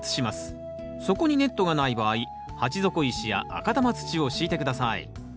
底にネットがない場合鉢底石や赤玉土を敷いて下さい。